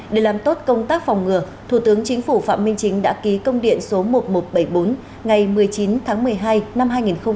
để làm tốt công tác phòng ngừa thủ tướng chính phủ phạm minh chính đã ký công điện số một nghìn một trăm bảy mươi bốn ngày một mươi chín tháng một mươi hai năm hai nghìn một mươi chín